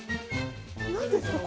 何ですか？